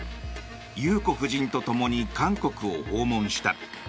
裕子夫人とともに韓国を訪問した。